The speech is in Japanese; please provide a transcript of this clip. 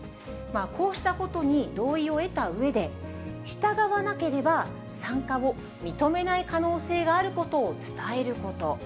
こうしたことに同意を得たうえで、従わなければ参加を認めない可能性があることを伝えること。